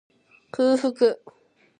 空腹